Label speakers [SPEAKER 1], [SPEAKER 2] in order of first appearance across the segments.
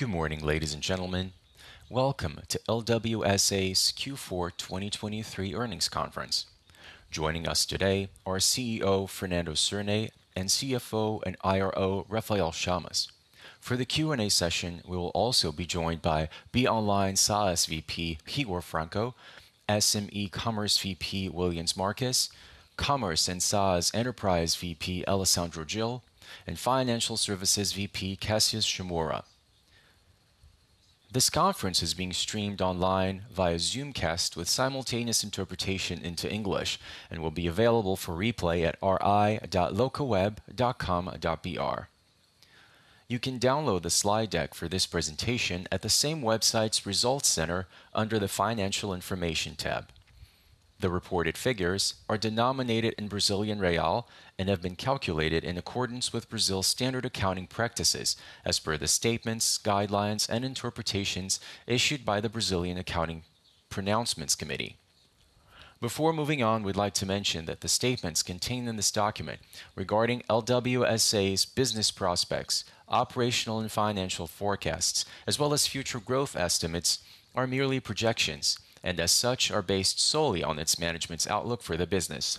[SPEAKER 1] Good morning, ladies and gentlemen. Welcome to LWSA's Q4 2023 Earnings Conference. Joining us today are CEO Fernando Cirne and CFO and IRO Rafael Chamas. For the Q&A session, we will also be joined by Be Online SaaS VP Higor Franco, SME Commerce VP Willians Marques, Commerce and SaaS Enterprise VP Alessandro Gil, and Financial Services VP Cassius Schymura. This conference is being streamed online via Zoomcast with simultaneous interpretation into English and will be available for replay at ri.locaweb.com.br. You can download the slide deck for this presentation at the same website's Results Center under the Financial Information tab. The reported figures are denominated in Brazilian Real and have been calculated in accordance with Brazil's standard accounting practices as per the statements, guidelines, and interpretations issued by the Brazilian Accounting Pronouncements Committee. Before moving on, we'd like to mention that the statements contained in this document regarding LWSA's business prospects, operational and financial forecasts, as well as future growth estimates, are merely projections and, as such, are based solely on its management's outlook for the business.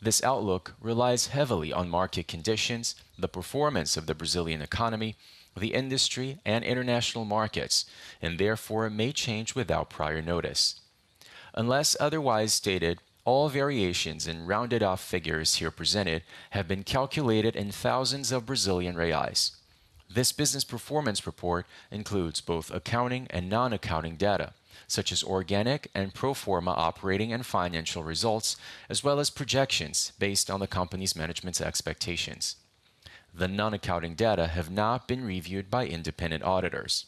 [SPEAKER 1] This outlook relies heavily on market conditions, the performance of the Brazilian economy, the industry, and international markets, and therefore may change without prior notice. Unless otherwise stated, all variations in rounded-off figures here presented have been calculated in thousands of Brazilian reais. This business performance report includes both accounting and non-accounting data, such as organic and pro forma operating and financial results, as well as projections based on the company's management's expectations. The non-accounting data have not been reviewed by independent auditors.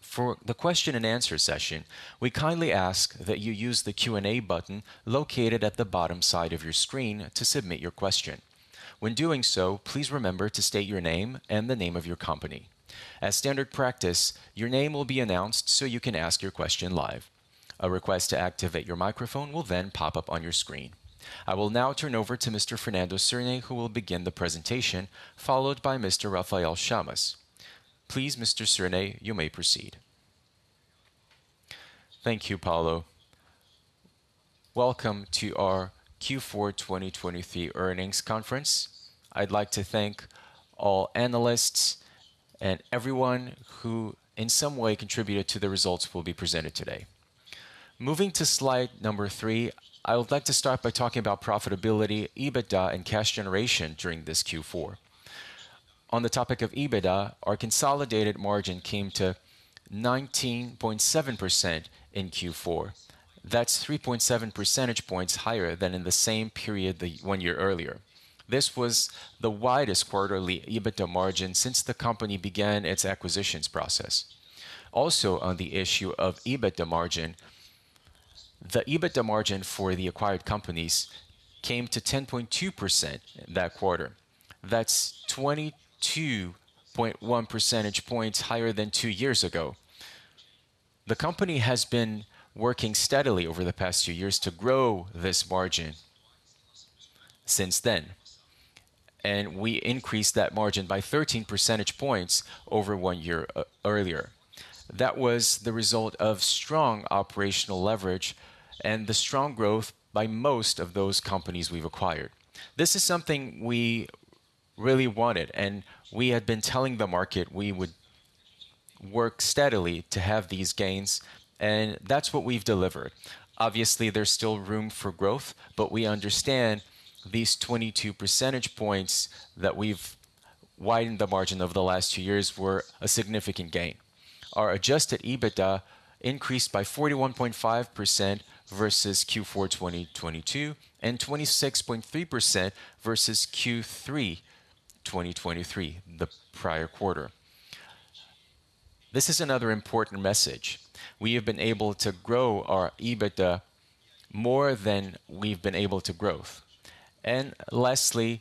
[SPEAKER 1] For the question-and-answer session, we kindly ask that you use the Q&A button located at the bottom side of your screen to submit your question. When doing so, please remember to state your name and the name of your company. As standard practice, your name will be announced so you can ask your question live. A request to activate your microphone will then pop up on your screen. I will now turn over to Mr. Fernando Cirne, who will begin the presentation, followed by Mr. Rafael Chamas. Please, Mr. Cirne, you may proceed.
[SPEAKER 2] Thank you, Paulo. Welcome to our Q4 2023 Earnings Conference. I'd like to thank all analysts and everyone who, in some way, contributed to the results will be presented today. Moving to slide number three, I would like to start by talking about profitability, EBITDA, and cash generation during this Q4. On the topic of EBITDA, our consolidated margin came to 19.7% in Q4. That's 3.7 percentage points higher than in the same period the one year earlier. This was the widest quarterly EBITDA margin since the company began its acquisitions process. Also, on the issue of EBITDA margin, the EBITDA margin for the acquired companies came to 10.2% that quarter. That's 22.1 percentage points higher than two years ago. The company has been working steadily over the past few years to grow this margin since then, and we increased that margin by 13 percentage points over one year earlier. That was the result of strong operational leverage and the strong growth by most of those companies we've acquired. This is something we really wanted, and we had been telling the market we would work steadily to have these gains, and that's what we've delivered. Obviously, there's still room for growth, but we understand these 22 percentage points that we've widened the margin of the last two years were a significant gain. Our adjusted EBITDA increased by 41.5% versus Q4 2022 and 26.3% versus Q3 2023, the prior quarter. This is another important message. We have been able to grow our EBITDA more than we've been able to grow. And lastly,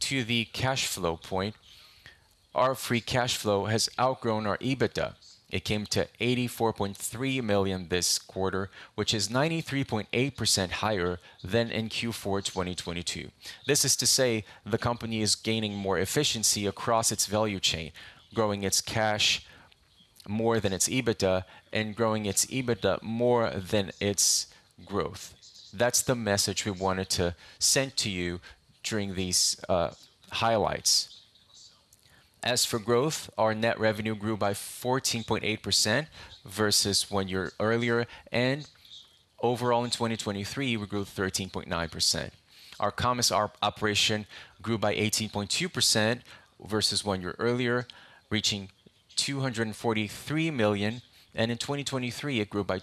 [SPEAKER 2] to the cash flow point, our free cash flow has outgrown our EBITDA. It came to 84.3 million this quarter, which is 93.8% higher than in Q4 2022. This is to say the company is gaining more efficiency across its value chain, growing its cash more than its EBITDA, and growing its EBITDA more than its growth. That's the message we wanted to send to you during these highlights. As for growth, our net revenue grew by 14.8% versus one year earlier, and overall in 2023 we grew 13.9%. Our commerce operation grew by 18.2% versus one year earlier, reaching 243 million, and in 2023 it grew by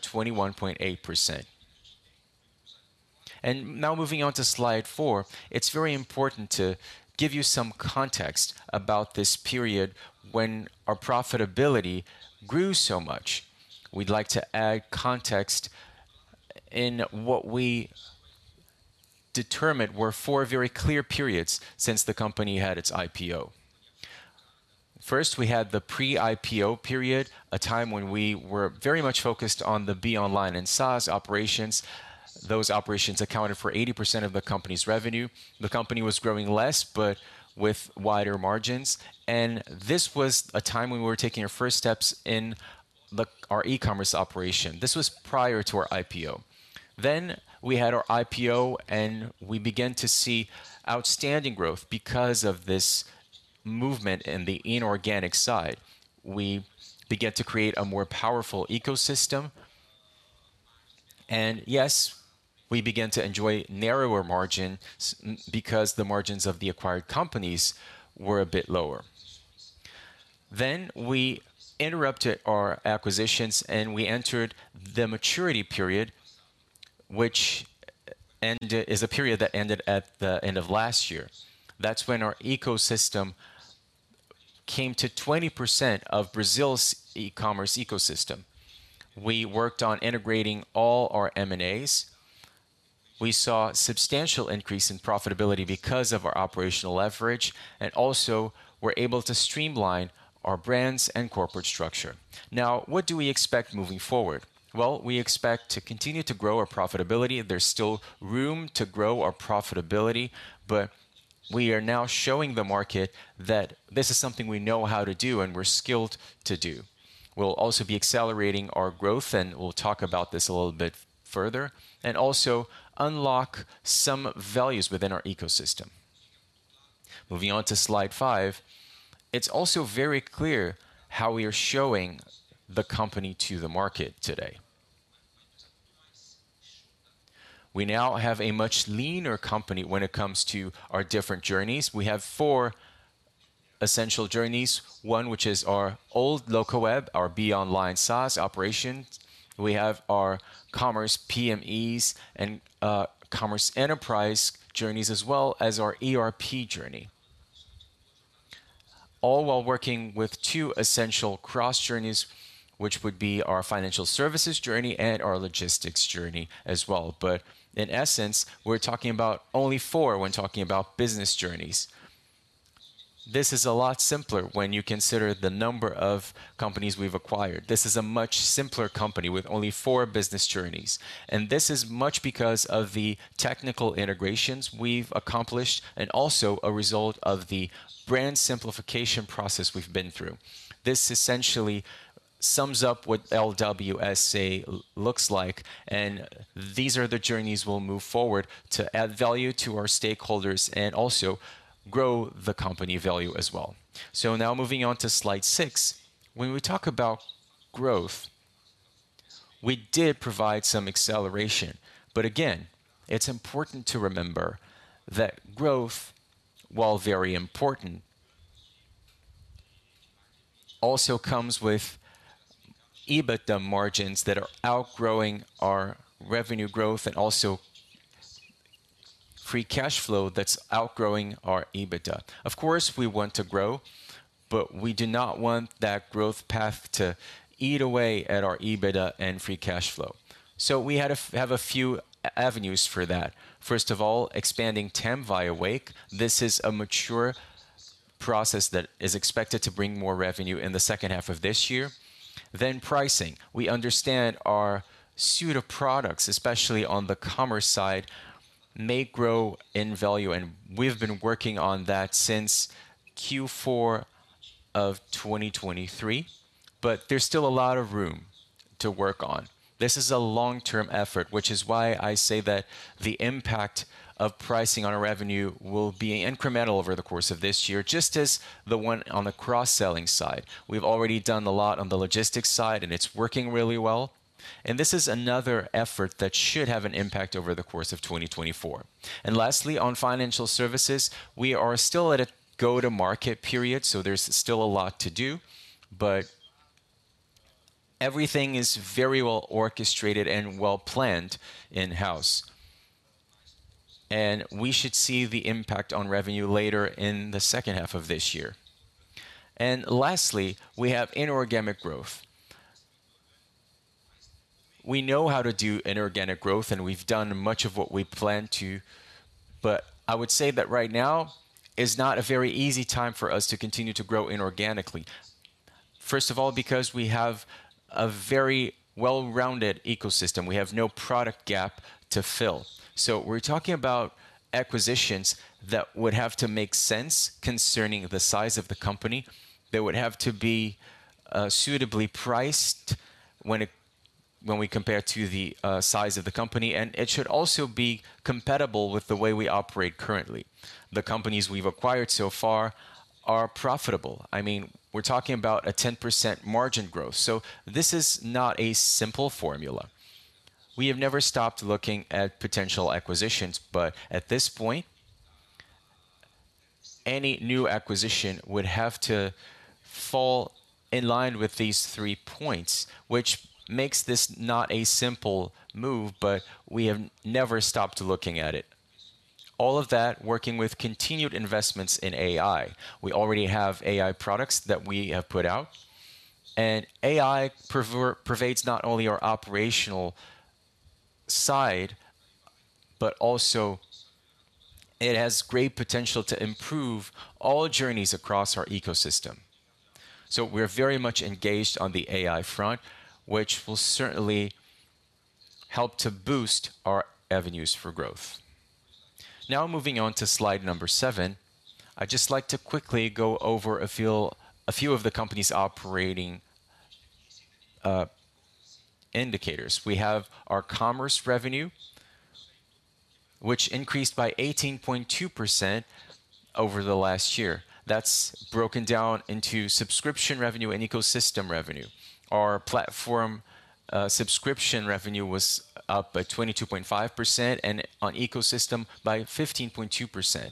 [SPEAKER 2] 21.8%. Now moving on to slide four, it's very important to give you some context about this period when our profitability grew so much. We'd like to add context in what we determine were four very clear periods since the company had its IPO. First, we had the pre-IPO period, a time when we were very much focused on the Be Online and SaaS operations. Those operations accounted for 80% of the company's revenue. The company was growing less but with wider margins. This was a time when we were taking our first steps in our e-commerce operation. This was prior to our IPO. Then we had our IPO, and we began to see outstanding growth because of this movement in the inorganic side. We began to create a more powerful ecosystem, and yes, we began to enjoy narrower margins because the margins of the acquired companies were a bit lower. Then we interrupted our acquisitions, and we entered the maturity period, which is a period that ended at the end of last year. That's when our ecosystem came to 20% of Brazil's e-commerce ecosystem. We worked on integrating all our M&As. We saw a substantial increase in profitability because of our operational leverage, and also were able to streamline our brands and corporate structure. Now, what do we expect moving forward? Well, we expect to continue to grow our profitability. There's still room to grow our profitability, but we are now showing the market that this is something we know how to do and we're skilled to do. We'll also be accelerating our growth, and we'll talk about this a little bit further, and also unlock some values within our ecosystem. Moving on to slide five, it's also very clear how we are showing the company to the market today. We now have a much leaner company when it comes to our different journeys. We have four essential journeys: one, which is our old Locaweb, our Be Online SaaS operation, we have our Commerce SMEs and Commerce Enterprise journeys, as well as our ERP journey, all while working with two essential cross journeys, which would be our financial services journey and our logistics journey as well. But in essence, we're talking about only four when talking about business journeys. This is a lot simpler when you consider the number of companies we've acquired. This is a much simpler company with only four business journeys. This is much because of the technical integrations we've accomplished and also a result of the brand simplification process we've been through. This essentially sums up what LWSA looks like, and these are the journeys we'll move forward to add value to our stakeholders and also grow the company value as well. Now moving on to slide six, when we talk about growth, we did provide some acceleration. Again, it's important to remember that growth, while very important, also comes with EBITDA margins that are outgrowing our revenue growth and also free cash flow that's outgrowing our EBITDA. Of course, we want to grow, but we do not want that growth path to eat away at our EBITDA and free cash flow. So we have a few avenues for that. First of all, expanding TAM via Wake. This is a mature process that is expected to bring more revenue in the second half of this year. Then pricing. We understand our suite of products, especially on the commerce side, may grow in value, and we've been working on that since Q4 of 2023. But there's still a lot of room to work on. This is a long-term effort, which is why I say that the impact of pricing on our revenue will be incremental over the course of this year, just as the one on the cross-selling side. We've already done a lot on the logistics side, and it's working really well. And this is another effort that should have an impact over the course of 2024. Lastly, on financial services, we are still at a go-to-market period, so there's still a lot to do, but everything is very well orchestrated and well planned in-house. We should see the impact on revenue later in the second half of this year. Lastly, we have inorganic growth. We know how to do inorganic growth, and we've done much of what we planned to, but I would say that right now is not a very easy time for us to continue to grow inorganically. First of all, because we have a very well-rounded ecosystem. We have no product gap to fill. We're talking about acquisitions that would have to make sense concerning the size of the company. They would have to be suitably priced when we compare to the size of the company. It should also be compatible with the way we operate currently. The companies we've acquired so far are profitable. I mean, we're talking about a 10% margin growth. So this is not a simple formula. We have never stopped looking at potential acquisitions, but at this point, any new acquisition would have to fall in line with these three points, which makes this not a simple move, but we have never stopped looking at it. All of that working with continued investments in AI. We already have AI products that we have put out. And AI pervades not only our operational side, but also it has great potential to improve all journeys across our ecosystem. So we're very much engaged on the AI front, which will certainly help to boost our avenues for growth. Now moving on to slide number seven, I'd just like to quickly go over a few of the company's operating indicators. We have our commerce revenue, which increased by 18.2% over the last year. That's broken down into subscription revenue and ecosystem revenue. Our platform subscription revenue was up by 22.5% and on ecosystem by 15.2%.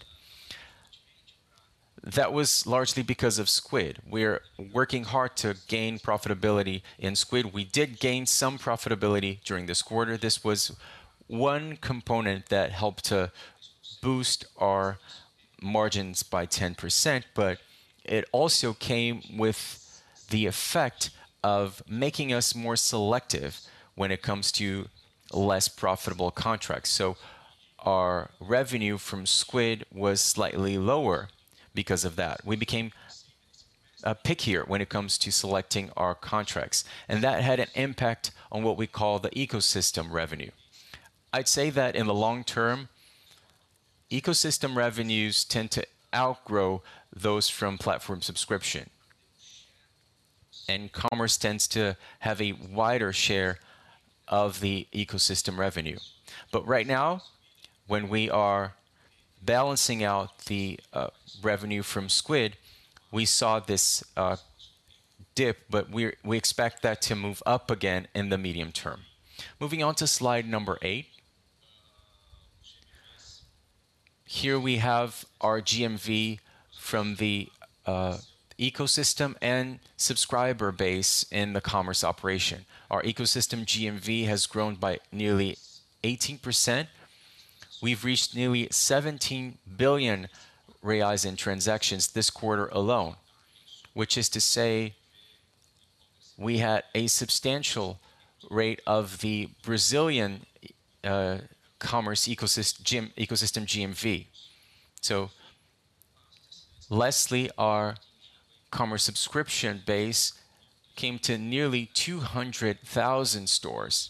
[SPEAKER 2] That was largely because of Squid. We're working hard to gain profitability in Squid. We did gain some profitability during this quarter. This was one component that helped to boost our margins by 10%, but it also came with the effect of making us more selective when it comes to less profitable contracts. So our revenue from Squid was slightly lower because of that. We became picky here when it comes to selecting our contracts. And that had an impact on what we call the ecosystem revenue. I'd say that in the long term, ecosystem revenues tend to outgrow those from platform subscription, and commerce tends to have a wider share of the ecosystem revenue. But right now, when we are balancing out the revenue from Squid, we saw this dip, but we expect that to move up again in the medium term. Moving on to slide number eight, here we have our GMV from the ecosystem and subscriber base in the commerce operation. Our ecosystem GMV has grown by nearly 18%. We've reached nearly 17 billion reais in transactions this quarter alone, which is to say we had a substantial rate of the Brazilian commerce ecosystem GMV. So lastly, our commerce subscription base came to nearly 200,000 stores.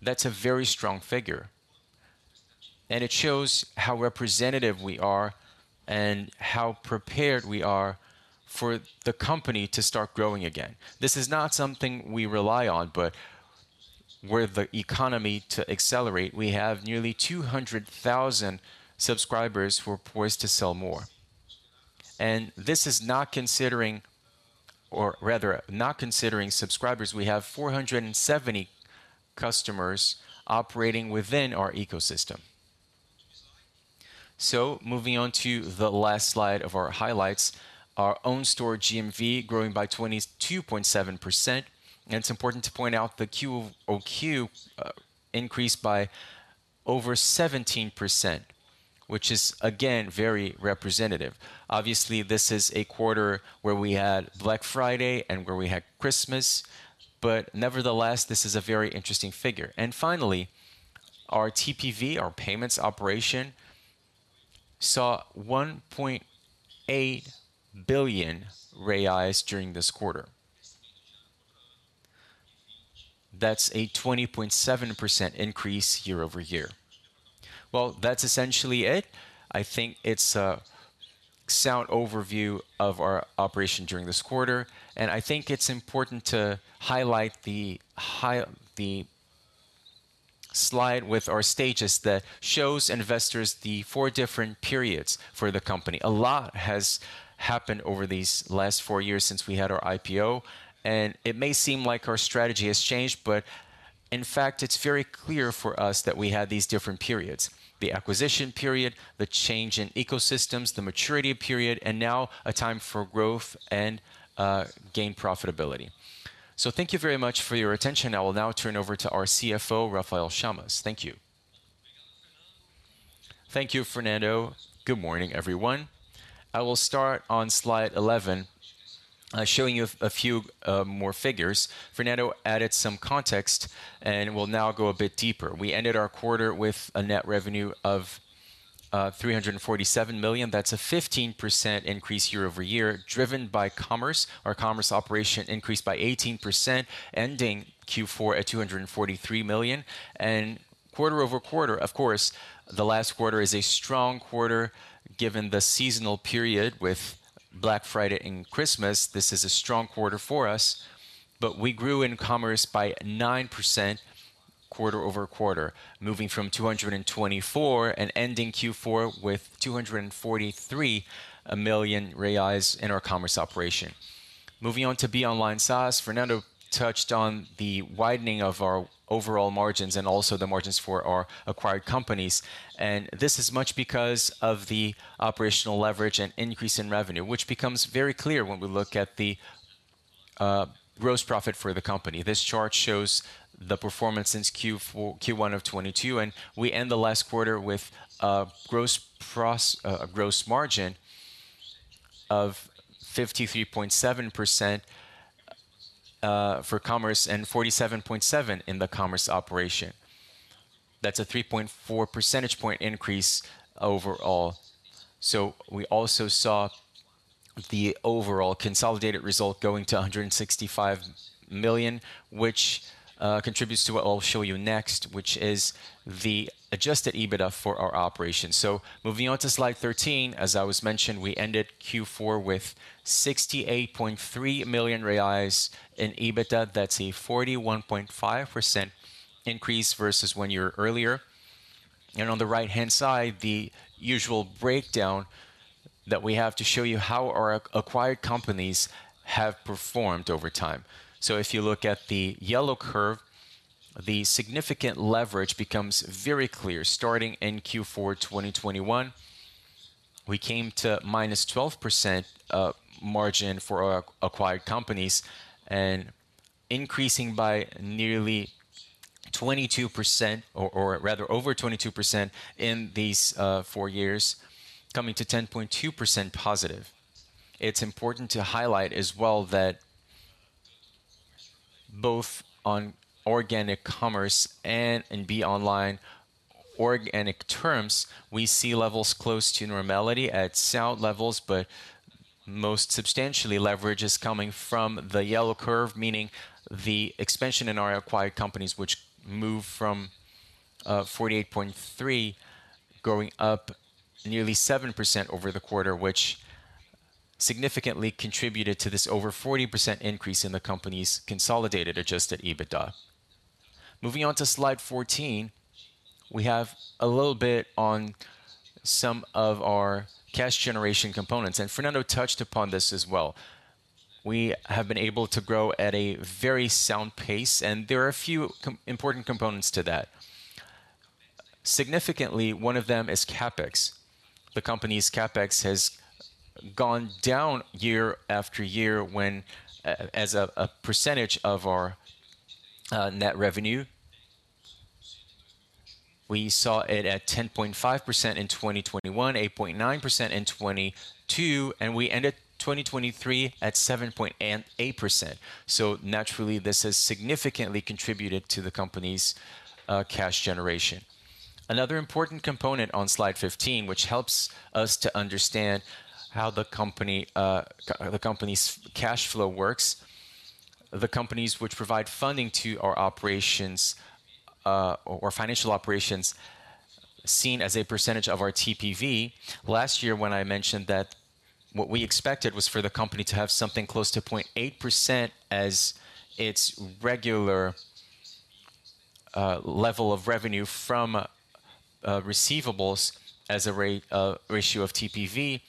[SPEAKER 2] That's a very strong figure. And it shows how representative we are and how prepared we are for the company to start growing again. This is not something we rely on, but we are seeing the economy accelerate. We have nearly 200,000 subscribers who are poised to sell more. And this is not considering or rather, not considering subscribers. We have 470 customers operating within our ecosystem. So moving on to the last slide of our highlights, our own store GMV growing by 22.7%. And it's important to point out the QOQ increased by over 17%, which is again very representative. Obviously, this is a quarter where we had Black Friday and where we had Christmas, but nevertheless, this is a very interesting figure. And finally, our TPV, our payments operation, saw 1.8 billion during this quarter. That's a 20.7% increase year-over-year. Well, that's essentially it. I think it's a sound overview of our operation during this quarter. I think it's important to highlight the slide with our stages that shows investors the four different periods for the company. A lot has happened over these last four years since we had our IPO. And it may seem like our strategy has changed, but in fact, it's very clear for us that we had these different periods: the acquisition period, the change in ecosystems, the maturity period, and now a time for growth and gain profitability. So thank you very much for your attention. I will now turn over to our CFO, Rafael Chamas.
[SPEAKER 3] Thank you. Thank you, Fernando. Good morning, everyone. I will start on slide 11 showing you a few more figures. Fernando added some context, and we'll now go a bit deeper. We ended our quarter with a net revenue of 347 million. That's a 15% increase year-over-year driven by commerce. Our commerce operation increased by 18%, ending Q4 at 243 million. Quarter-over-quarter, of course, the last quarter is a strong quarter given the seasonal period with Black Friday and Christmas. This is a strong quarter for us, but we grew in commerce by 9% quarter-over-quarter, moving from 224 and ending Q4 with 243 million reais in our commerce operation. Moving on to Be Online SaaS, Fernando touched on the widening of our overall margins and also the margins for our acquired companies. This is much because of the operational leverage and increase in revenue, which becomes very clear when we look at the gross profit for the company. This chart shows the performance since Q1 of 2022, and we end the last quarter with a gross margin of 53.7% for commerce and 47.7% in the commerce operation. That's a 3.4 percentage point increase overall. So we also saw the overall consolidated result going to 165 million, which contributes to what I'll show you next, which is the adjusted EBITDA for our operation. So moving on to slide 13, as I mentioned, we ended Q4 with 68.3 million reais in EBITDA. That's a 41.5% increase versus when you were earlier. And on the right-hand side, the usual breakdown that we have to show you how our acquired companies have performed over time. So if you look at the yellow curve, the significant leverage becomes very clear. Starting in Q4 2021, we came to -12% margin for our acquired companies and increasing by nearly 22% or rather over 22% in these four years, coming to 10.2% positive. It's important to highlight as well that both on organic commerce and in Be Online organic terms, we see levels close to normality at sound levels, but most substantially leverage is coming from the yellow curve, meaning the expansion in our acquired companies, which moved from 48.3% growing up nearly 7% over the quarter, which significantly contributed to this over 40% increase in the company's consolidated adjusted EBITDA. Moving on to slide 14, we have a little bit on some of our cash generation components. Fernando touched upon this as well. We have been able to grow at a very sound pace, and there are a few important components to that. Significantly, one of them is CapEx. The company's CapEx has gone down year after year when as a percentage of our net revenue. We saw it at 10.5% in 2021, 8.9% in 2022, and we ended 2023 at 7.8%. So naturally, this has significantly contributed to the company's cash generation. Another important component on slide 15, which helps us to understand how the company's cash flow works, the companies which provide funding to our operations or financial operations seen as a percentage of our TPV, last year when I mentioned that what we expected was for the company to have something close to 0.8% as its regular level of revenue from receivables as a ratio of TPV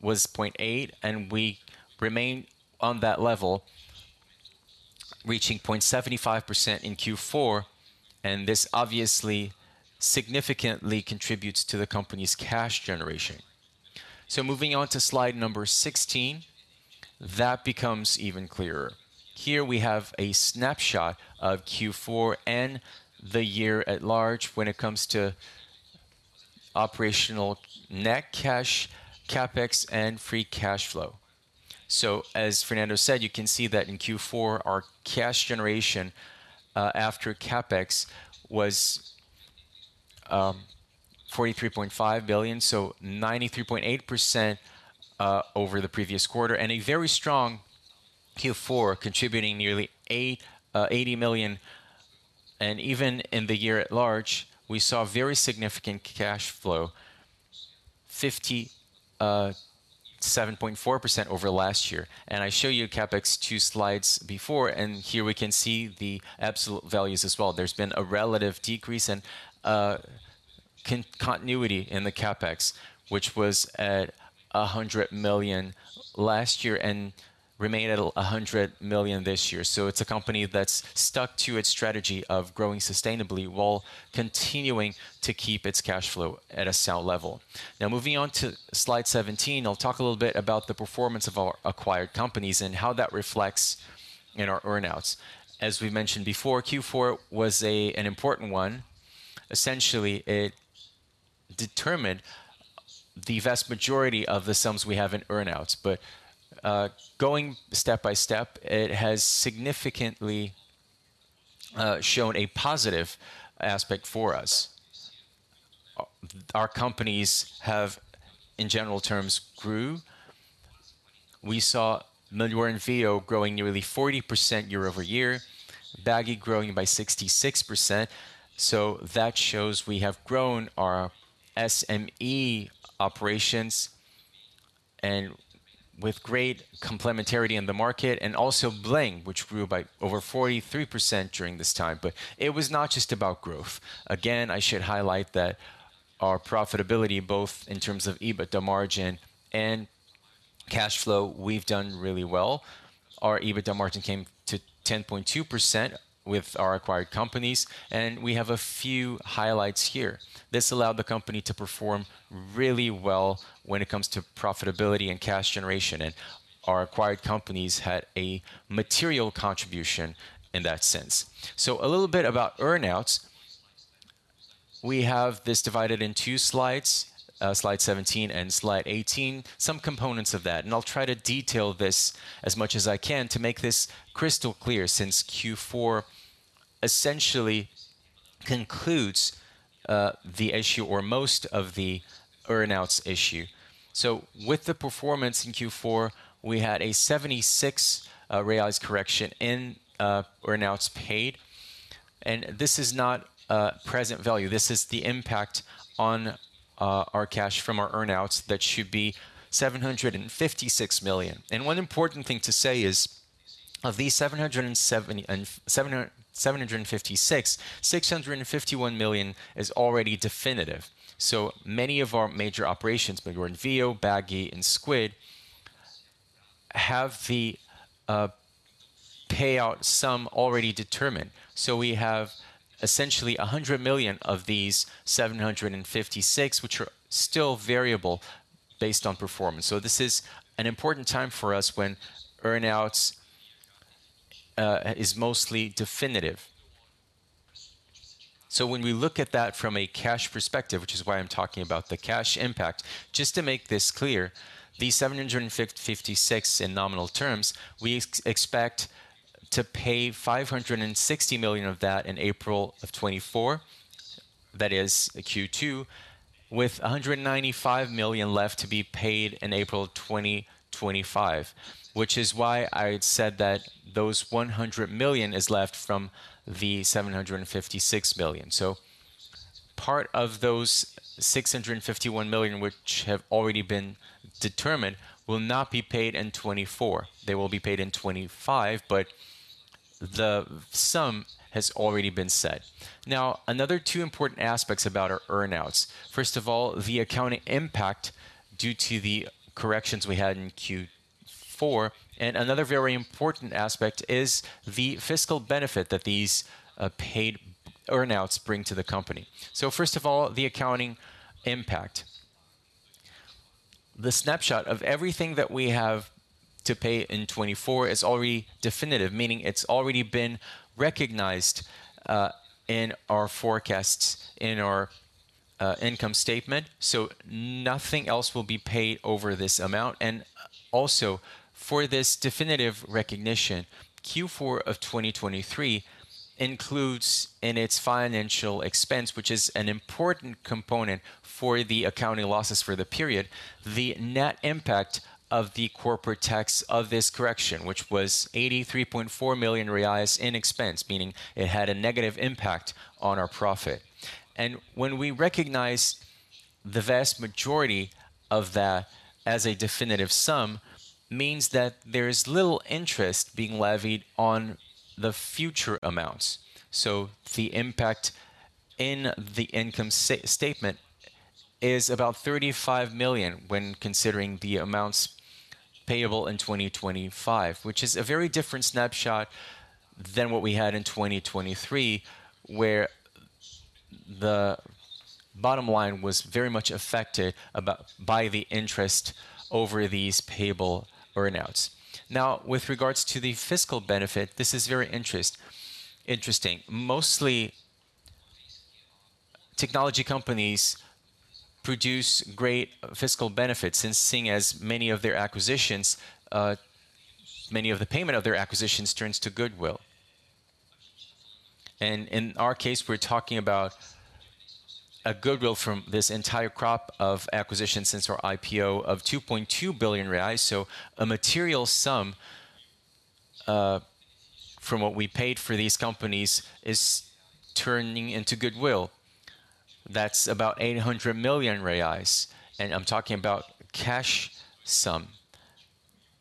[SPEAKER 3] was 0.8%, and we remain on that level, reaching 0.75% in Q4. And this obviously significantly contributes to the company's cash generation. So moving on to slide number 16, that becomes even clearer. Here we have a snapshot of Q4 and the year at large when it comes to operational net cash, CapEx, and free cash flow. So as Fernando said, you can see that in Q4, our cash generation after CapEx was BRL 43.5 billion, so 93.8% over the previous quarter, and a very strong Q4 contributing nearly 80 million. And even in the year at large, we saw very significant cash flow, 57.4% over last year. And I showed you CapEx two slides before, and here we can see the absolute values as well. There's been a relative decrease and continuity in the CapEx, which was at 100 million last year and remained at 100 million this year. So it's a company that's stuck to its strategy of growing sustainably while continuing to keep its cash flow at a sound level. Now moving on to slide 17, I'll talk a little bit about the performance of our acquired companies and how that reflects in our earnouts. As we mentioned before, Q4 was an important one. Essentially, it determined the vast majority of the sums we have in earnouts. But going step by step, it has significantly shown a positive aspect for us. Our companies have, in general terms, grew. We saw Melhor Envio growing nearly 40% year-over-year, Bagy growing by 66%. That shows we have grown our SME operations and with great complementarity in the market. Also Bling, which grew by over 43% during this time. It was not just about growth. Again, I should highlight that our profitability, both in terms of EBITDA margin and cash flow, we've done really well. Our EBITDA margin came to 10.2% with our acquired companies. We have a few highlights here. This allowed the company to perform really well when it comes to profitability and cash generation. Our acquired companies had a material contribution in that sense. A little bit about earnouts. We have this divided in two slides, slide 17 and slide 18, some components of that. I'll try to detail this as much as I can to make this crystal clear since Q4 essentially concludes the issue or most of the earnouts issue. With the performance in Q4, we had a 76 correction in earnouts paid. This is not present value. This is the impact on our cash from our earnouts that should be 756 million. One important thing to say is of these 756, 651 million is already definitive. So many of our major operations, Melhor Envio, Bagy, and Squid, have the payout sum already determined. So we have essentially 100 million of these 756 million, which are still variable based on performance. So this is an important time for us when earnouts is mostly definitive. So when we look at that from a cash perspective, which is why I'm talking about the cash impact, just to make this clear, these 756 million in nominal terms, we expect to pay 560 million of that in April of 2024, that is Q2, with 195 million left to be paid in April of 2025, which is why I had said that those 100 million is left from the 756 million. So part of those 651 million, which have already been determined, will not be paid in 2024. They will be paid in 2025, but the sum has already been set. Now another two important aspects about our earnouts. First of all, the accounting impact due to the corrections we had in Q4. Another very important aspect is the fiscal benefit that these paid earnouts bring to the company. First of all, the accounting impact. The snapshot of everything that we have to pay in 2024 is already definitive, meaning it's already been recognized in our forecasts, in our income statement. Nothing else will be paid over this amount. Also for this definitive recognition, Q4 of 2023 includes in its financial expense, which is an important component for the accounting losses for the period, the net impact of the corporate tax of this correction, which was 83.4 million reais in expense, meaning it had a negative impact on our profit. And when we recognize the vast majority of that as a definitive sum, means that there is little interest being levied on the future amounts. The impact in the income statement is about 35 million when considering the amounts payable in 2025, which is a very different snapshot than what we had in 2023 where the bottom line was very much affected by the interest over these payable earnouts. Now with regards to the fiscal benefit, this is very interesting. Mostly technology companies produce great fiscal benefits since seeing as many of their acquisitions, many of the payment of their acquisitions turns to goodwill. In our case, we're talking about a goodwill from this entire crop of acquisitions since our IPO of 2.2 billion reais. A material sum from what we paid for these companies is turning into goodwill. That's about 800 million reais. I'm talking about cash sum.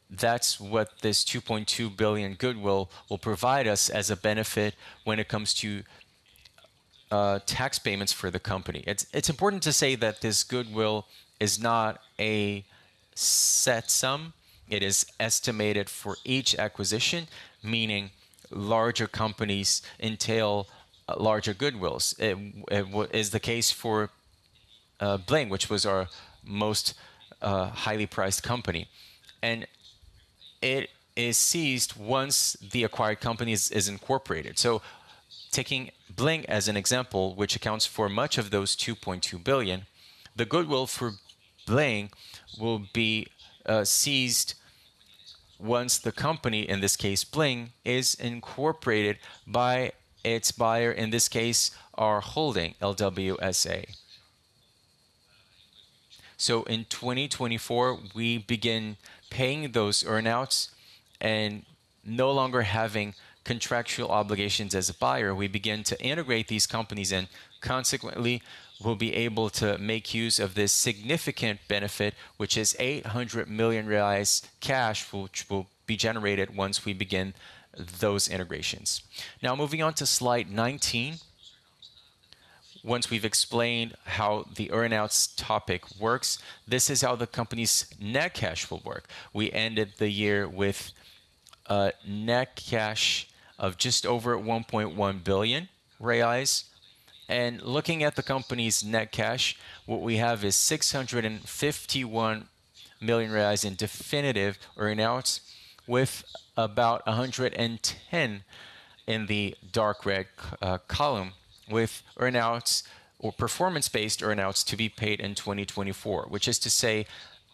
[SPEAKER 3] That's what this 2.2 billion goodwill will provide us as a benefit when it comes to tax payments for the company. It's important to say that this goodwill is not a set sum. It is estimated for each acquisition, meaning larger companies entail larger goodwills. It is the case for Bling, which was our most highly priced company. It is seized once the acquired company is incorporated. So taking Bling as an example, which accounts for much of those 2.2 billion, the goodwill for Bling will be seized once the company, in this case Bling, is incorporated by its buyer, in this case our holding, LWSA. In 2024, we begin paying those earnouts and no longer having contractual obligations as a buyer. We begin to integrate these companies and consequently will be able to make use of this significant benefit, which is 800 million cash which will be generated once we begin those integrations. Now moving on to slide 19. Once we've explained how the earnouts topic works, this is how the company's net cash will work. We ended the year with a net cash of just over 1.1 billion reais. And looking at the company's net cash, what we have is 651 million reais in definitive earnouts with about 110 in the dark red column with earnouts or performance-based earnouts to be paid in 2024, which is to say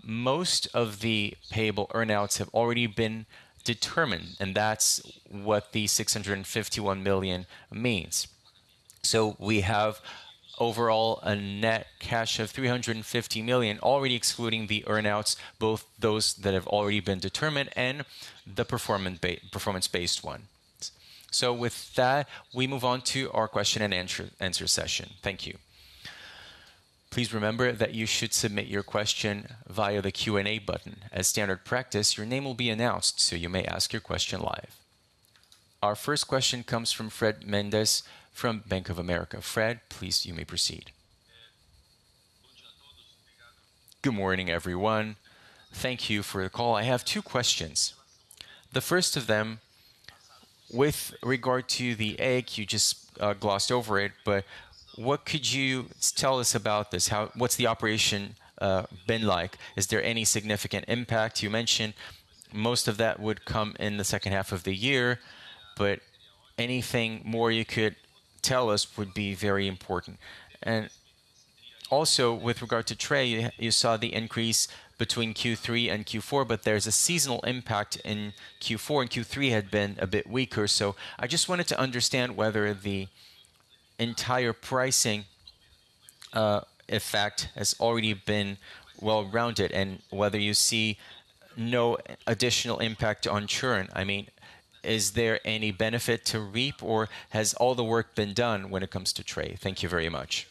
[SPEAKER 3] most of the payable earnouts have already been determined. And that's what the 651 million means. So we have overall a net cash of 350 million, already excluding the earnouts, both those that have already been determined and the performance-based one. So with that, we move on to our question and answer session. Thank you.
[SPEAKER 1] Please remember that you should submit your question via the Q&A button. As standard practice, your name will be announced, so you may ask your question live. Our first question comes from Fred Mendes from Bank of America. Fred, please, you may proceed.
[SPEAKER 4] Good morning everyone. Thank you for the call. I have two questions. The first of them, with regard to the Wake, you just glossed over it, but what could you tell us about this? What's the operation been like? Is there any significant impact? You mentioned most of that would come in the second half of the year, but anything more you could tell us would be very important. And also with regard to Tray, you saw the increase between Q3 and Q4, but there's a seasonal impact in Q4. Q3 had been a bit weaker. So I just wanted to understand whether the entire pricing effect has already been well-rounded and whether you see no additional impact on Churn. I mean, is there any benefit to reap or has all the work been done when it comes to Tray? Thank you very much.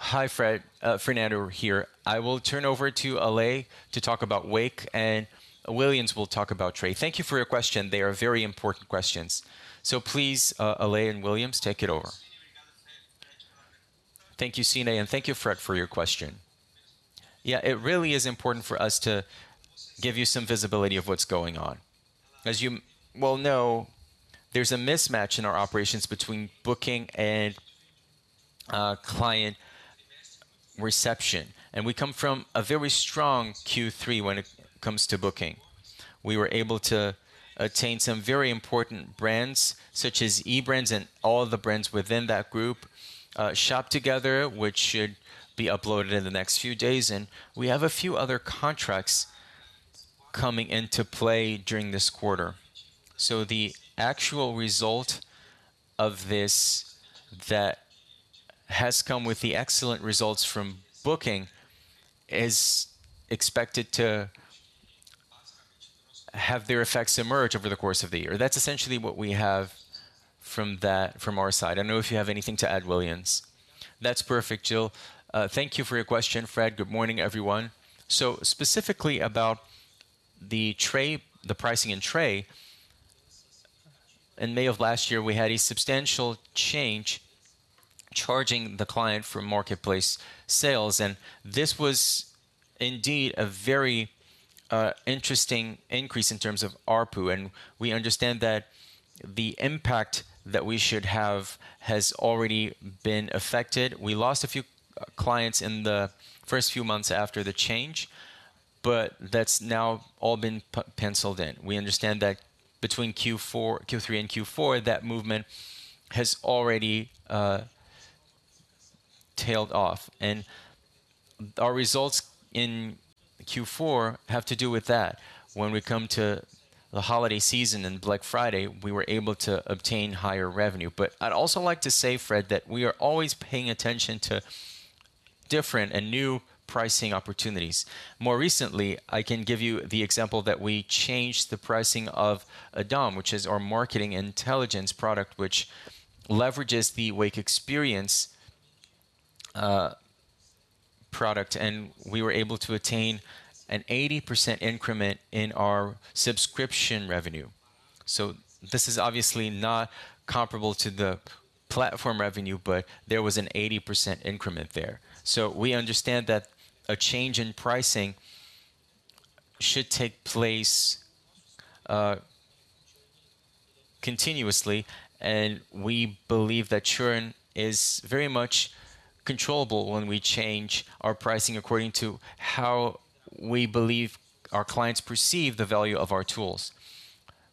[SPEAKER 2] Hi Fred. Fernando here. I will turn over to Alessandro to talk about Wake and Willians will talk about Tray. Thank you for your question. They are very important questions. So please, Alessandro and Willians, take it over.
[SPEAKER 5] Thank you Cirne and thank you Fred for your question. Yeah, it really is important for us to give you some visibility of what's going on. As you will know, there's a mismatch in our operations between booking and client reception. And we come from a very strong Q3 when it comes to booking. We were able to attain some very important brands such as InBrands and all the brands within that group Shop2gether, which should be uploaded in the next few days. We have a few other contracts coming into play during this quarter. The actual result of this that has come with the excellent results from booking is expected to have their effects emerge over the course of the year. That's essentially what we have from our side. I don't know if you have anything to add, Willians.
[SPEAKER 6] That's perfect, Gil. Thank you for your question, Fred. Good morning, everyone. Specifically about the pricing in Tray, in May of last year, we had a substantial change charging the client for marketplace sales. This was indeed a very interesting increase in terms of ARPU. We understand that the impact that we should have has already been affected. We lost a few clients in the first few months after the change, but that's now all been penciled in. We understand that between Q3 and Q4, that movement has already tailed off. Our results in Q4 have to do with that. When we come to the holiday season and Black Friday, we were able to obtain higher revenue. I'd also like to say Fred that we are always paying attention to different and new pricing opportunities. More recently, I can give you the example that we changed the pricing of Adin, which is our marketing intelligence product, which leverages the Wake Experience product. We were able to attain an 80% increment in our subscription revenue. So this is obviously not comparable to the platform revenue, but there was an 80% increment there. So we understand that a change in pricing should take place continuously. We believe that Churn is very much controllable when we change our pricing according to how we believe our clients perceive the value of our tools.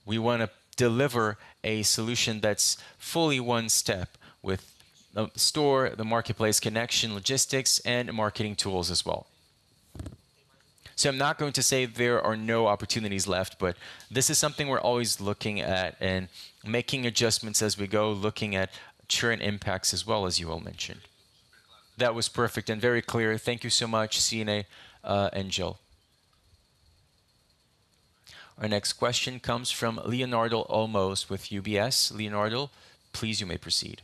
[SPEAKER 6] We want to deliver a solution that's fully one step with the store, the marketplace connection, logistics, and marketing tools as well. I'm not going to say there are no opportunities left, but this is something we're always looking at and making adjustments as we go, looking at Churn impacts as well as you all mentioned.
[SPEAKER 4] That was perfect and very clear. Thank you so much Cirne and Gil.
[SPEAKER 1] Our next question comes from Leonardo Olmos with UBS. Leonardo, please, you may proceed.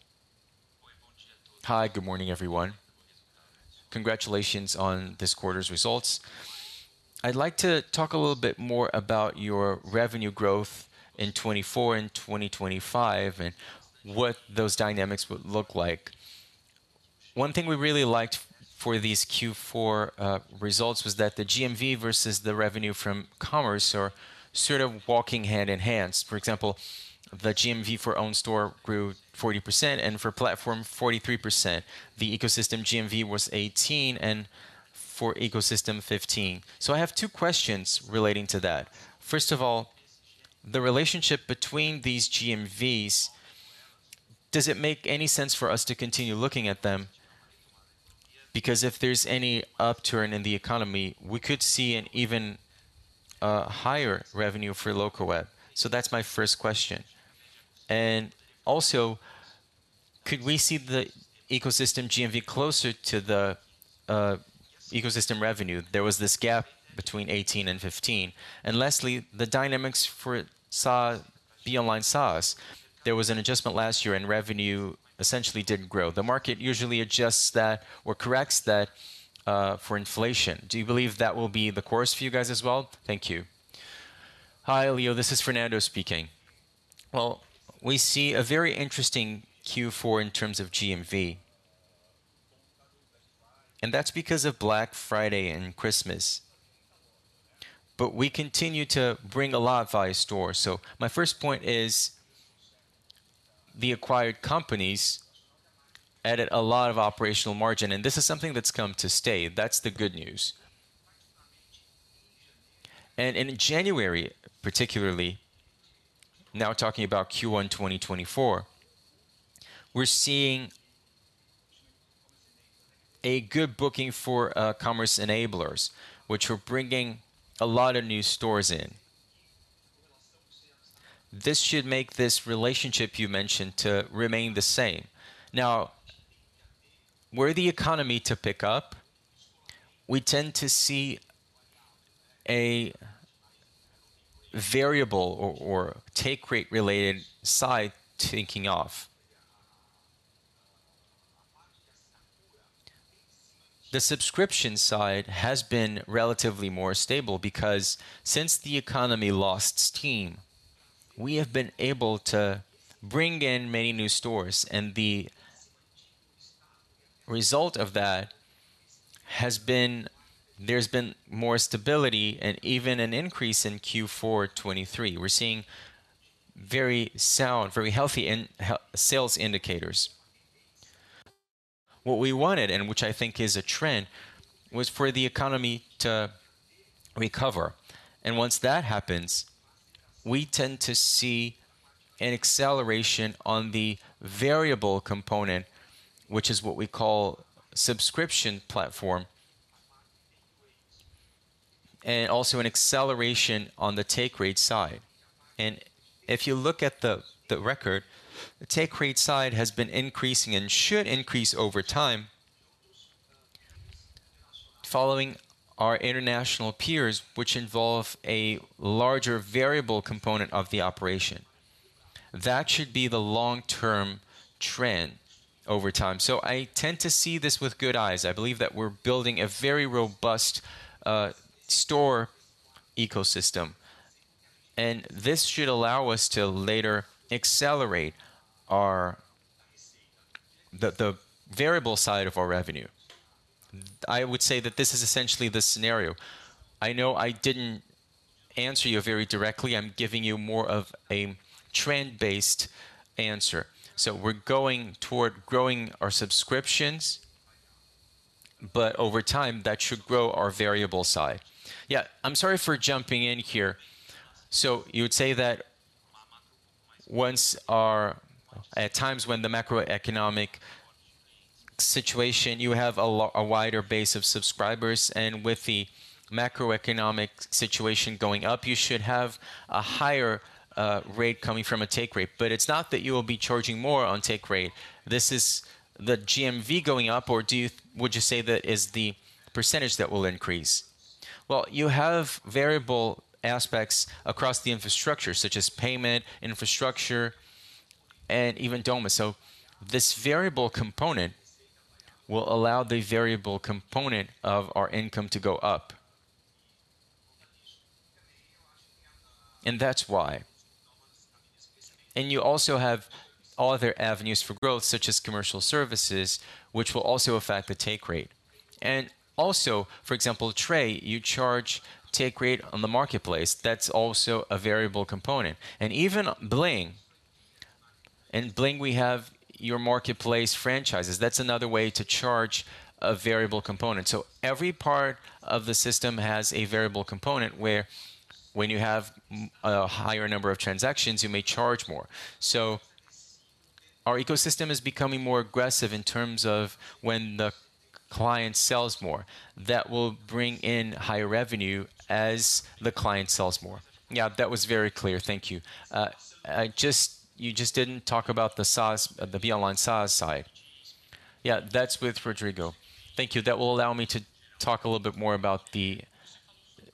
[SPEAKER 7] Hi, good morning, everyone. Congratulations on this quarter's results. I'd like to talk a little bit more about your revenue growth in 2024 and 2025 and what those dynamics would look like. One thing we really liked for these Q4 results was that the GMV versus the revenue from commerce are sort of walking hand in hand. For example, the GMV for own store grew 40% and for platform 43%. The ecosystem GMV was 18% and for ecosystem 15%. So I have two questions relating to that. First of all, the relationship between these GMVs, does it make any sense for us to continue looking at them? Because if there's any upturn in the economy, we could see an even higher revenue for Locaweb. So that's my first question. And also, could we see the ecosystem GMV closer to the ecosystem revenue? There was this gap between 18% and 15%. And lastly, the dynamics for SaaS, Be Online SaaS, there was an adjustment last year and revenue essentially didn't grow. The market usually adjusts that or corrects that for inflation. Do you believe that will be the course for you guys as well?
[SPEAKER 2] Thank you. Hi Leo, this is Fernando speaking. Well, we see a very interesting Q4 in terms of GMV. And that's because of Black Friday and Christmas. But we continue to bring a lot via store. So my first point is the acquired companies added a lot of operational margin. And this is something that's come to stay. That's the good news. And in January particularly, now talking about Q1 2024, we're seeing a good booking for commerce enablers, which are bringing a lot of new stores in. This should make this relationship you mentioned to remain the same. Now where the economy to pick up, we tend to see a variable or take rate related side taking off. The subscription side has been relatively more stable because since the economy lost steam, we have been able to bring in many new stores. The result of that has been there's been more stability and even an increase in Q4 2023. We're seeing very sound, very healthy sales indicators. What we wanted and which I think is a trend was for the economy to recover. Once that happens, we tend to see an acceleration on the variable component, which is what we call subscription platform, and also an acceleration on the take rate side. If you look at the record, the take rate side has been increasing and should increase over time following our international peers, which involve a larger variable component of the operation. That should be the long-term trend over time. I tend to see this with good eyes. I believe that we're building a very robust store ecosystem. This should allow us to later accelerate the variable side of our revenue. I would say that this is essentially the scenario. I know I didn't answer you very directly. I'm giving you more of a trend-based answer. We're going toward growing our subscriptions, but over time that should grow our variable side.
[SPEAKER 7] Yeah, I'm sorry for jumping in here. You would say that once, or at times, when the macroeconomic situation, you have a wider base of subscribers. With the macroeconomic situation going up, you should have a higher rate coming from a take rate. But it's not that you will be charging more on take rate. This is the GMV going up or would you say that is the percentage that will increase?
[SPEAKER 2] Well, you have variable aspects across the infrastructure such as payment, infrastructure, and even domains. So this variable component will allow the variable component of our income to go up. And that's why. And you also have other avenues for growth such as commercial services, which will also affect the take rate. And also, for example, Tray, you charge take rate on the marketplace. That's also a variable component. And even Bling, and Bling we have your marketplace franchises. That's another way to charge a variable component. So every part of the system has a variable component where when you have a higher number of transactions, you may charge more. So our ecosystem is becoming more aggressive in terms of when the client sells more. That will bring in higher revenue as the client sells more.
[SPEAKER 7] Yeah, that was very clear. Thank you. You just didn't talk about the Be Online SaaS side.
[SPEAKER 2] Yeah, that's with Higor.
[SPEAKER 8] Thank you. That will allow me to talk a little bit more about the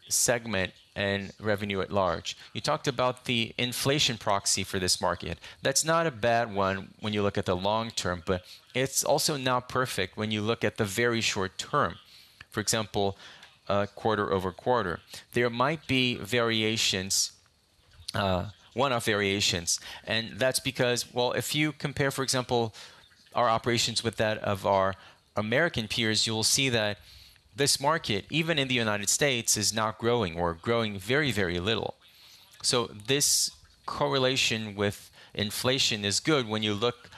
[SPEAKER 8] segment and revenue at large. You talked about the inflation proxy for this market. That's not a bad one when you look at the long-term, but it's also not perfect when you look at the very short term, for example, quarter-over-quarter. There might be variations, one-off variations. That's because, well, if you compare for example our operations with that of our American peers, you'll see that this market, even in the United States, is not growing or growing very, very little. So this correlation with inflation is good when you look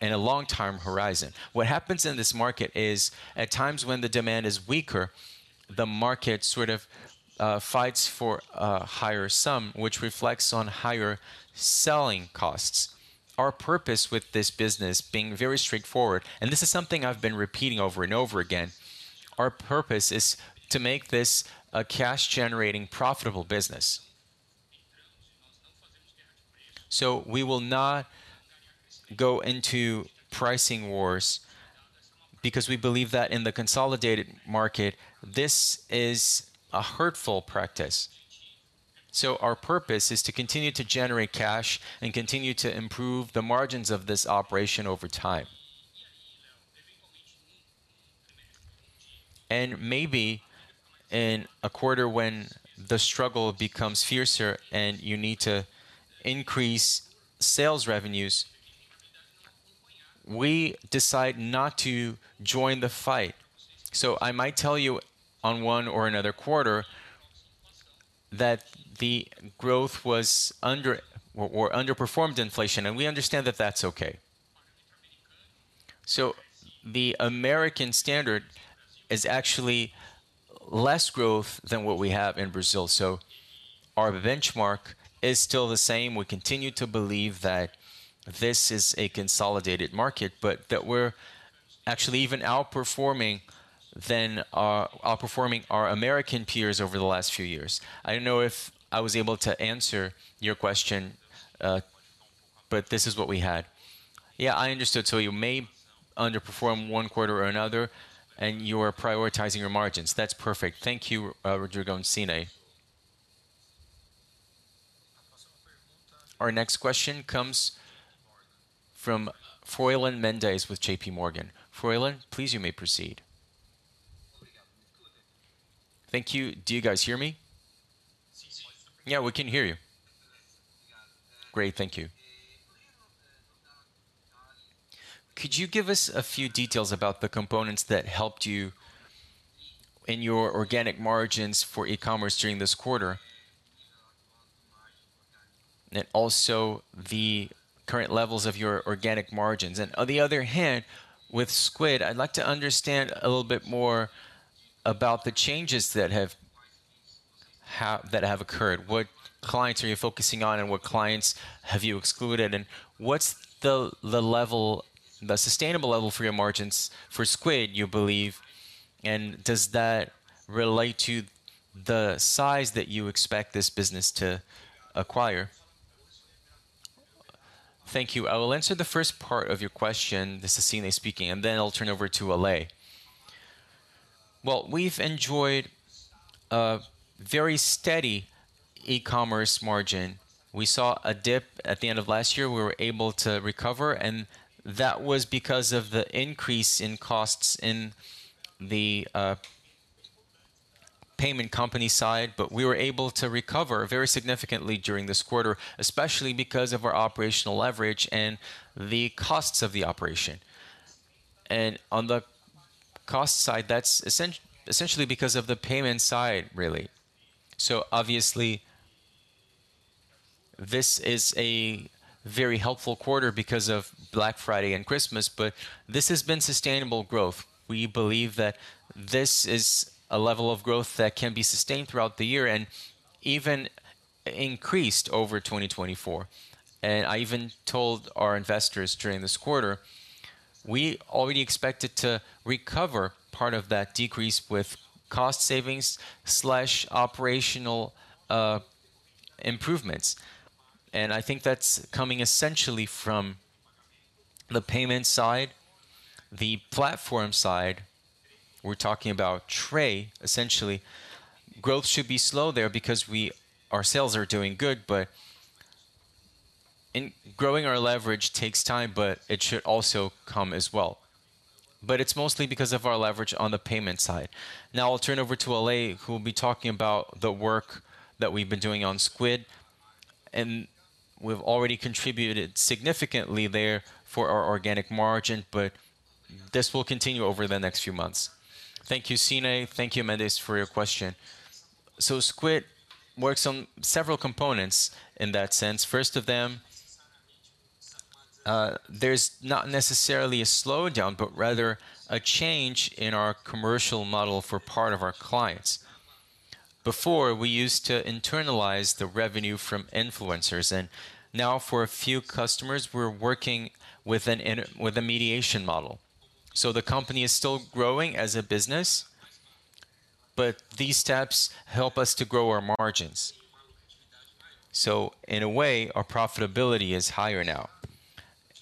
[SPEAKER 8] in a long-term horizon. What happens in this market is at times when the demand is weaker, the market sort of fights for a higher sum, which reflects on higher selling costs. Our purpose with this business being very straightforward, and this is something I've been repeating over and over again, our purpose is to make this a cash-generating, profitable business. So we will not go into pricing wars because we believe that in the consolidated market, this is a hurtful practice. So our purpose is to continue to generate cash and continue to improve the margins of this operation over time. And maybe in a quarter when the struggle becomes fiercer and you need to increase sales revenues, we decide not to join the fight. So I might tell you on one or another quarter that the growth was under or underperformed inflation. And we understand that that's okay. So the American standard is actually less growth than what we have in Brazil. So our benchmark is still the same. We continue to believe that this is a consolidated market, but that we're actually even outperforming our American peers over the last few years. I don't know if I was able to answer your question, but this is what we had. Yeah, I understood. So you may underperform one quarter or another and you are prioritizing your margins. That's perfect.
[SPEAKER 7] Thank you, Higor and Cirne.
[SPEAKER 1] Our next question comes from Froilan Mendez with JPMorgan. Froilan, please, you may proceed.
[SPEAKER 9] Thank you. Do you guys hear me?
[SPEAKER 2] Yeah, we can hear you.
[SPEAKER 9] Great. Thank you. Could you give us a few details about the components that helped you in your organic margins for e-commerce during this quarter? And also the current levels of your organic margins. On the other hand, with Squid, I'd like to understand a little bit more about the changes that have occurred. What clients are you focusing on and what clients have you excluded? And what's the sustainable level for your margins for Squid you believe? And does that relate to the size that you expect this business to acquire? Thank you.
[SPEAKER 2] I will answer the first part of your question. This is Cirne speaking. And then I'll turn over to Ale. Well, we've enjoyed a very steady e-commerce margin. We saw a dip at the end of last year. We were able to recover. And that was because of the increase in costs in the payment company side. But we were able to recover very significantly during this quarter, especially because of our operational leverage and the costs of the operation. On the cost side, that's essentially because of the payment side really. So obviously, this is a very helpful quarter because of Black Friday and Christmas, but this has been sustainable growth. We believe that this is a level of growth that can be sustained throughout the year and even increased over 2024. And I even told our investors during this quarter, we already expected to recover part of that decrease with cost savings/operational improvements. And I think that's coming essentially from the payment side. The platform side, we're talking about Tray essentially, growth should be slow there because our sales are doing good. But growing our leverage takes time, but it should also come as well. But it's mostly because of our leverage on the payment side. Now I'll turn over to Otávio who will be talking about the work that we've been doing on Squid.We've already contributed significantly there for our organic margin, but this will continue over the next few months.
[SPEAKER 10] Thank you, Cirne. Thank you, Mendez, for your question. So Squid works on several components in that sense. First of them, there's not necessarily a slowdown but rather a change in our commercial model for part of our clients. Before, we used to internalize the revenue from influencers. And now for a few customers, we're working with a mediation model. So the company is still growing as a business, but these steps help us to grow our margins. So in a way, our profitability is higher now.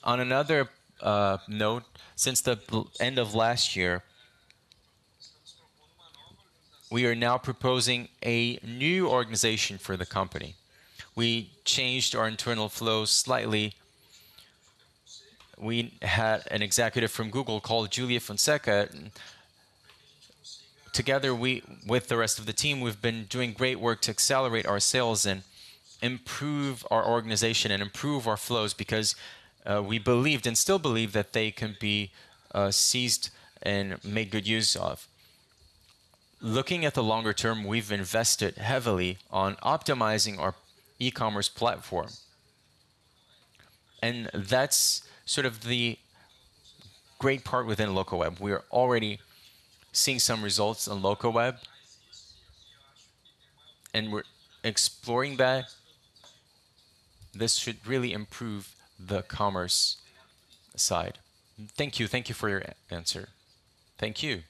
[SPEAKER 10] On another note, since the end of last year, we are now proposing a new organization for the company. We changed our internal flows slightly. We had an executive from Google called Júlia Fonseca. Together with the rest of the team, we've been doing great work to accelerate our sales and improve our organization and improve our flows because we believed and still believe that they can be seized and made good use of. Looking at the longer term, we've invested heavily on optimizing our e-commerce platform. And that's sort of the great part within Locaweb. We are already seeing some results on Locaweb. And we're exploring that. This should really improve the commerce side.
[SPEAKER 9] Thank you. Thank you for your answer.
[SPEAKER 10] Thank you.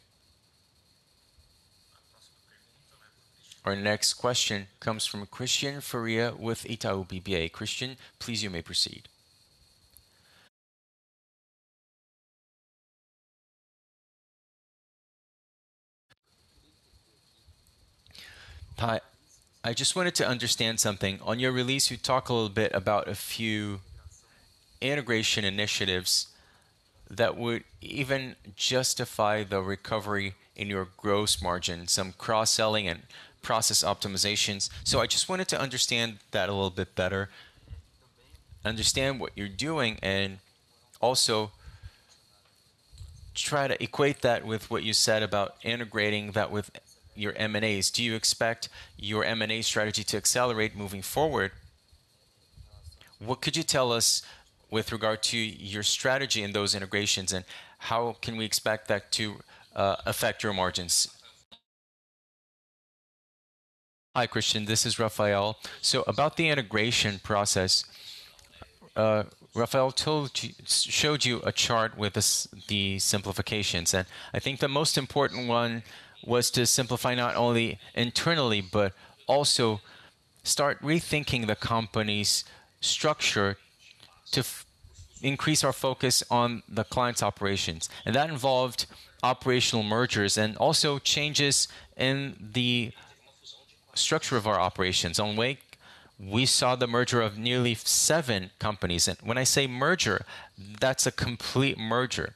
[SPEAKER 1] Our next question comes from Christian Faria with Itaú BBA. Christian, please, you may proceed.
[SPEAKER 11] I just wanted to understand something. On your release, you talk a little bit about a few integration initiatives that would even justify the recovery in your gross margin, some cross-selling and process optimizations. So I just wanted to understand that a little bit better, understand what you're doing, and also try to equate that with what you said about integrating that with your M&As. Do you expect your M&A strategy to accelerate moving forward? What could you tell us with regard to your strategy in those integrations and how can we expect that to affect your margins?
[SPEAKER 3] Hi, Christian. This is Rafael. So about the integration process, Rafael showed you a chart with the simplifications. And I think the most important one was to simplify not only internally but also start rethinking the company's structure to increase our focus on the client's operations. And that involved operational mergers and also changes in the structure of our operations. On Wake, we saw the merger of nearly seven companies. And when I say merger, that's a complete merger.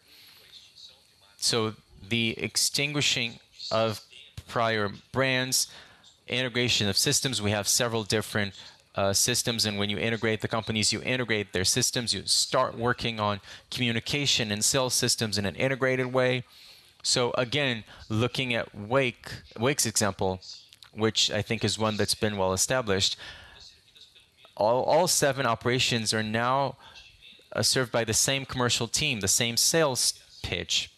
[SPEAKER 3] So the extinguishing of prior brands, integration of systems. We have several different systems. And when you integrate the companies, you integrate their systems. You start working on communication and sales systems in an integrated way. So again, looking at Wake's example, which I think is one that's been well established, all seven operations are now served by the same commercial team, the same sales pitch.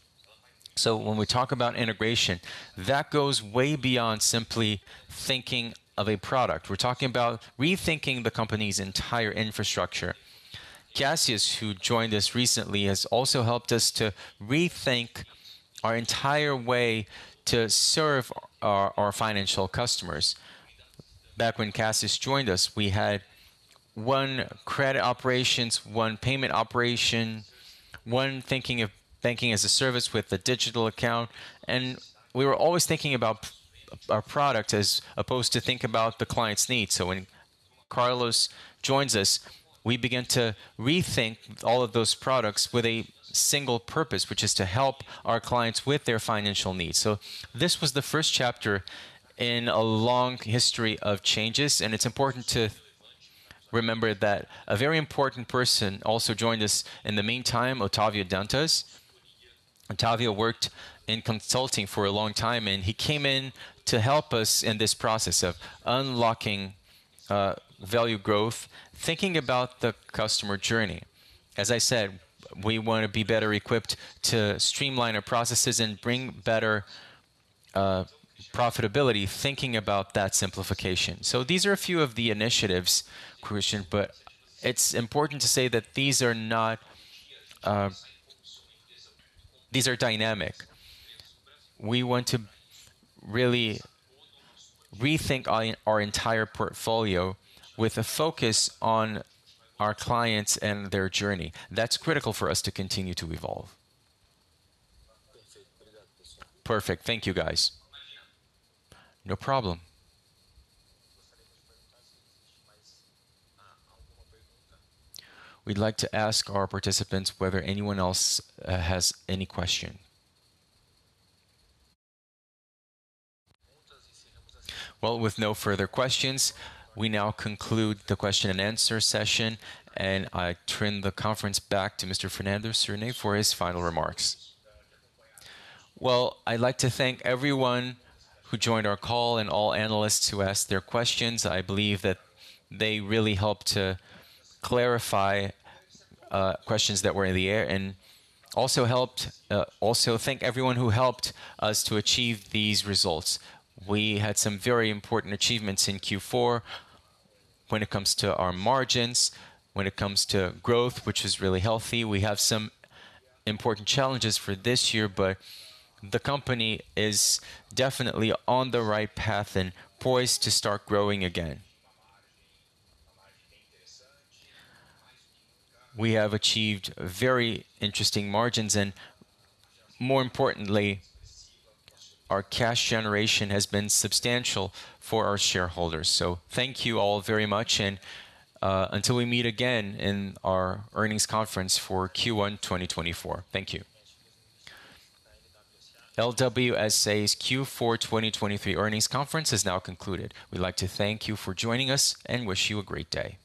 [SPEAKER 3] So when we talk about integration, that goes way beyond simply thinking of a product. We're talking about rethinking the company's entire infrastructure. Cassius, who joined us recently, has also helped us to rethink our entire way to serve our financial customers. Back when Cassius joined us, we had one credit operations, one payment operation, one thinking of banking as a service with a digital account. And we were always thinking about our product as opposed to thinking about the client's needs. So when Cassius joins us, we begin to rethink all of those products with a single purpose, which is to help our clients with their financial needs. So this was the first chapter in a long history of changes. It's important to remember that a very important person also joined us in the meantime, Otávio Dantas. Otávio worked in consulting for a long time. He came in to help us in this process of unlocking value growth, thinking about the customer journey. As I said, we want to be better equipped to streamline our processes and bring better profitability thinking about that simplification. So these are a few of the initiatives, Christian. But it's important to say that these are not dynamic. We want to really rethink our entire portfolio with a focus on our clients and their journey. That's critical for us to continue to evolve.
[SPEAKER 11] Perfect. Thank you guys.
[SPEAKER 1] No problem. We'd like to ask our participants whether anyone else has any question. Well, with no further questions, we now conclude the question and answer session. I turn the conference back to Mr. Fernando Cirne for his final remarks.
[SPEAKER 2] Well, I'd like to thank everyone who joined our call and all analysts who asked their questions. I believe that they really helped to clarify questions that were in the air and also thank everyone who helped us to achieve these results. We had some very important achievements in Q4 when it comes to our margins, when it comes to growth, which was really healthy. We have some important challenges for this year, but the company is definitely on the right path and poised to start growing again. We have achieved very interesting margins. More importantly, our cash generation has been substantial for our shareholders. So thank you all very much. Until we meet again in our earnings conference for Q1 2024, thank you.
[SPEAKER 1] LWSA's Q4 2023 Earnings Conference has now concluded. We'd like to thank you for joining us and wish you a great day.